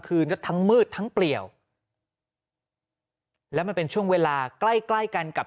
คืนก็ทั้งมืดทั้งเปลี่ยวแล้วมันเป็นช่วงเวลาใกล้ใกล้กันกับ